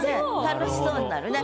楽しそうになるね。